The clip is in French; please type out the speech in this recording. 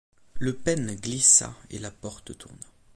Le pêne glissa et la porte tourna.